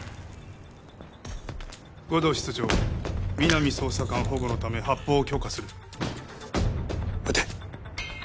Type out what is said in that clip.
護道室長皆実捜査官保護のため発砲を許可する撃て！